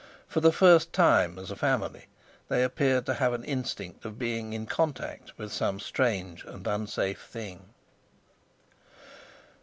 For the first time, as a family, they appeared to have an instinct of being in contact, with some strange and unsafe thing.